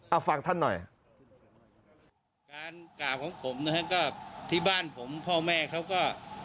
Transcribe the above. เอาฟังท่านหน่อยการกราบของผมนะฮะก็ที่บ้านผมพ่อแม่เขาก็